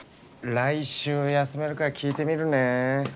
来週休めるか聞いてみるね。